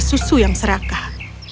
mereka mencari susu yang serakah